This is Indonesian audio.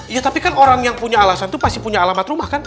iya tapi kan orang yang punya alasan itu pasti punya alamat rumah kan